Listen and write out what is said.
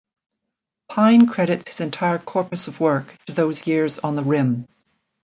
Pyne credits his entire corpus of work to those years on the Rim.